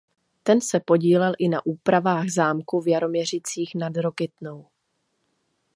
Ten se podílel i na úpravách zámku v Jaroměřicích nad Rokytnou.